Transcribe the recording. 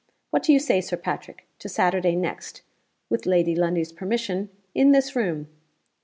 What do you say, Sir Patrick, to Saturday next (with Lady Lundie's permission) in this room?